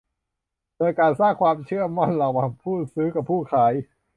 โดยการสร้างความเชื่อมั่นระหว่างผู้ซื้อกับผู้ขาย